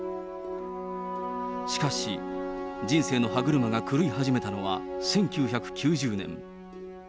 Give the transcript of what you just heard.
しかし、人生の歯車が狂い始めたのは１９９０年。